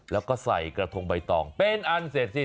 แล้วก็ใส่กระทงใบตองเป็นอันเสร็จสิ